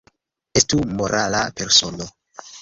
Estu morala persono.